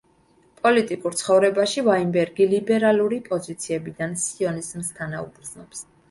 პოლიტიკურ ცხოვრებაში ვაინბერგი ლიბერალური პოზიციებიდან სიონიზმს თანაუგრძნობს.